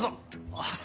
あっ。